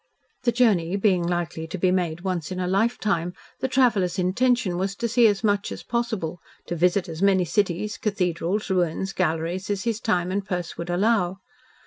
The journey being likely to be made once in a lifetime, the traveller's intention was to see as much as possible, to visit as many cities cathedrals, ruins, galleries, as his time and purse would allow.